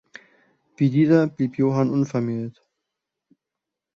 Wie dieser blieb Johann unvermählt.